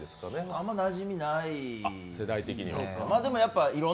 あんまりなじみないですね。